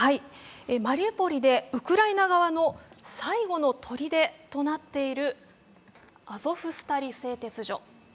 マリウポリでウクライナ側の最後のとりでとなっているアゾフスタリ製鉄所。